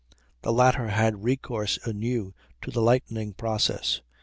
The latter had recourse anew to the lightening process.